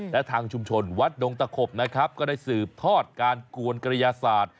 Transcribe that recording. และทางชุมชนวัดดงตะขบนะครับก็ได้สืบทอดการกวนกระยาศาสตร์